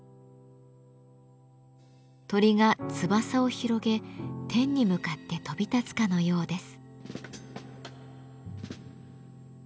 鳥が翼を広げ天に向かって飛び立つかのようです。